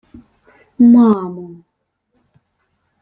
— Мамо...